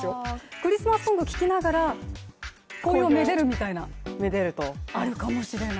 クリスマスソング聞きながら紅葉をめでるみたいな、あるかもしれない。